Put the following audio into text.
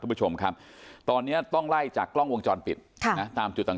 คุณผู้ชมครับตอนนี้ต้องไล่จากกล้องวงจรปิดตามจุดต่าง